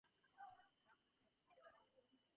Adapted from Tidal.